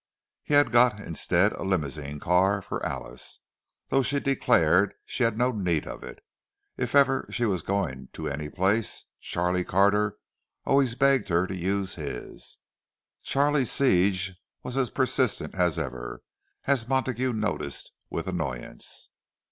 He had got, instead, a limousine car for Alice; though she declared she had no need of it—if ever she was going to any place, Charlie Carter always begged her to use his. Charlie's siege was as persistent as ever, as Montague noticed with annoyance.